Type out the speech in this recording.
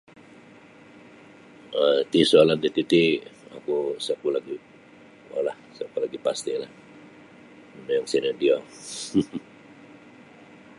um Ti soalan tatiti oku isa ku lagi lah isa ku lagi pastilah yang sino dio